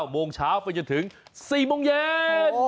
โมงเช้าไปจนถึง๔โมงเย็น